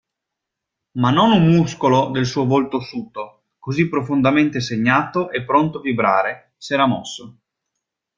Ma non un muscolo del suo volto ossuto, così profondamente segnato e pronto a vibrare, s'era mosso.